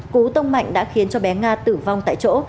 cú tông mạnh đã khiến cho bé nga tử vong tại chỗ